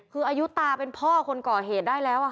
คืออายุตาเป็นพ่อคนก่อเหตุได้แล้ว